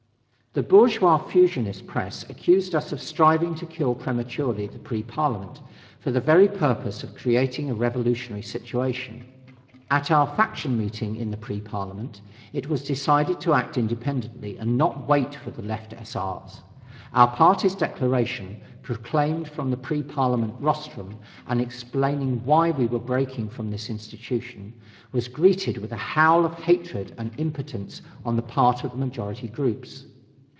The bourgeois fusionist press accused us of striving to kill prematurely the Pre Parliament, for the very purpose of creating a revolutionary situation. At our faction meeting in the Pre Parliament, it was decided to act independently and not wait for the left S. R.'s. Our party's declaration, proclaimed from the Pre Parliament rostrum and explaining why we were breaking with this institution, was greeted with a howl of hatred and impotence on the part of the majority groups.